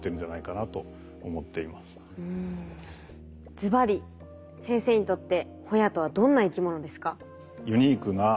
ずばり先生にとってホヤとはどんな生き物ですか？